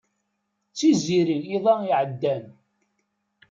D tiziri iḍ-a iɛeddan.